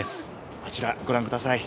あちらご覧ください。